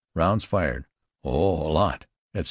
Rounds fired: 'Oh, a lot!'" etc.